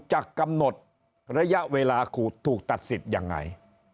จะกำหนดระยะเวลาขูดถูกตัดสิทธิ์ยังไง